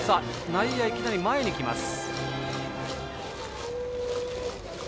内野、いきなり前に来ます。